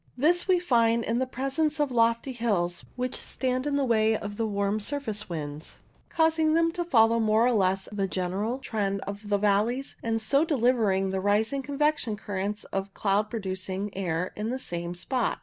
This we find in the presence of lofty hills which stand in the way of the warm INFLUENCE OF HILLS loi surface winds, causing them to follow more or less the general trend of the valleys, and so delivering the rising convection currents of cloud producing air at the same spot.